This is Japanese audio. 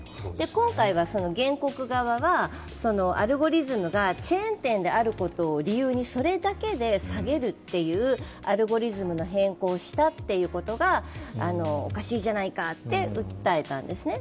今回は原告側はアルゴリズムがチェーン店であることを理由にそれだけで下げるというアルゴリズムの変更をしたことがおかしいじゃないかと訴えたんですね。